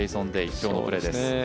今日のプレーです。